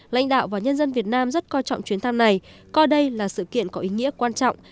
lãnh đạo và nhân dân việt nam rất coi trọng chuyến thăm này coi đây là sự kiện có ý nghĩa quan trọng